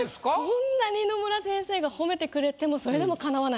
こんなに野村先生が褒めてくれてもそれでもかなわない。